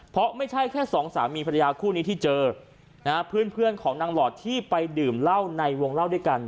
เพราะไม่ใช่แค่สองสามีภรรยาคู่นี้ที่เจอนะฮะเพื่อนเพื่อนของนางหลอดที่ไปดื่มเหล้าในวงเล่าด้วยกัน